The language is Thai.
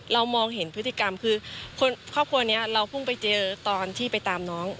มองเห็นพฤติกรรมคือครอบครัวนี้เราเพิ่งไปเจอตอนที่ไปตามน้อง